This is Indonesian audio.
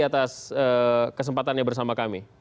atas kesempatannya bersama kami